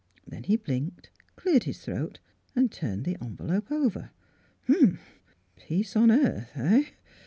Then he blinked, cleared his throat, and turned the envelope over. "Peace on Earth — heh?